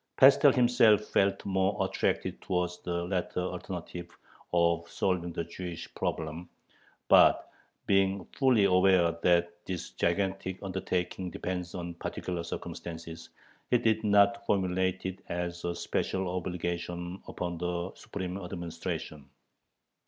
Pestel himself felt more attracted towards the latter alternative of solving the Jewish problem, but, being fully aware that "this gigantic undertaking depends on particular circumstances," he did not formulate it as "a special obligation upon the Supreme Administration."